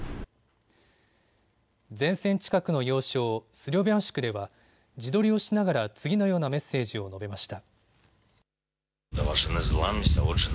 前線近くの要衝、スロビャンシクでは自撮りをしながら次のようなメッセージを述べました。